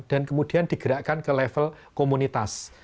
dan kemudian digerakkan ke level komunitas